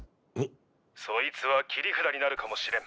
そいつは切り札になるかもしれん。